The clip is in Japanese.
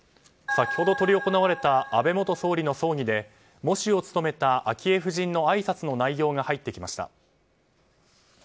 先ほど執り行われた安倍元総理の葬儀で喪主を務めた昭恵夫人のあいさつの内容が入ってきました。